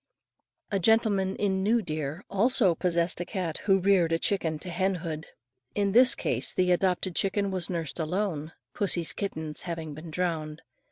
A gentleman in New Deer, also possessed a cat who reared a chicken to hen hood. In this case the adopted chicken was nursed alone, pussy's kittens having been drowned.